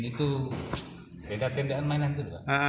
itu beda bedaan mainan itu